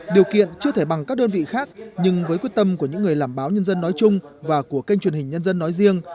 điều kiện chưa thể bằng các đơn vị khác nhưng với quyết tâm của những người làm báo nhân dân nói chung và của kênh truyền hình nhân dân nói riêng